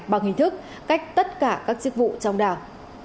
bằng hình thức cách tất cả các chức vụ trong đảng